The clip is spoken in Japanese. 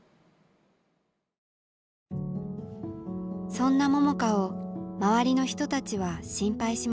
そんな桃佳を周りの人たちは心配しました。